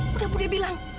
bu de bu debilang